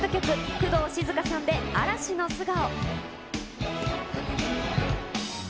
工藤静香さんで嵐の素顔。